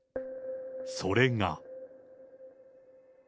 それが。